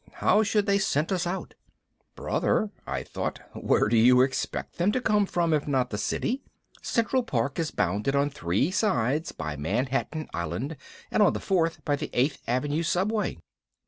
How should they scent us out?" Brother, I thought, _where do you expect them to come from if not the City? Central Park is bounded on three sides by Manhattan Island and on the fourth by the Eighth Avenue Subway.